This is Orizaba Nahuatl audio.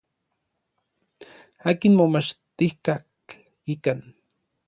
Akin momachtijkatl ikan.